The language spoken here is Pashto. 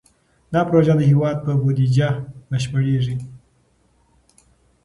دا پروژه د هېواد په بودیجه بشپړېږي.